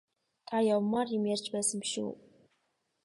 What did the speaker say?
Та явмаар юм ярьж байсан биш үү?